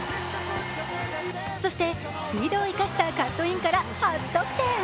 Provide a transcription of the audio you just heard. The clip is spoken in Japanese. そして、スピードを生かしたカットインから初得点。